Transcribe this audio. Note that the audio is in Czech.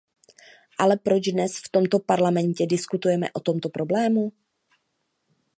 Ale proč dnes v tomto Parlamentě diskutujeme o tomto problému?